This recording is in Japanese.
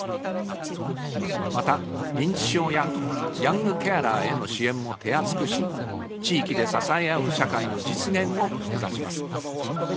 また、認知症やヤングケアラーへの支援も手厚くし、地域で支え合う社会の実現をめざします。